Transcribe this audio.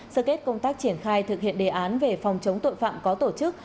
sơ kết công tác triển khai thực hiện đề án về phòng chống tội phạm có tổ chức